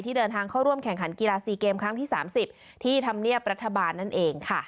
ที่เดินทางเข้าร่วมแข่งขันกีฬาสี่เกมครั้งที่สามสิบที่ทำเนียบรัฐบาลนั่นเองค่ะ